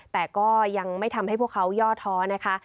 แต่ก็ยังไม่ทำให้พวกเขาย่อท้อนะคะ